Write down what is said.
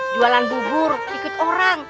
jualan bubur ikut orang